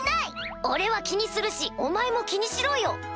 俺は気にするしお前も気にしろよ！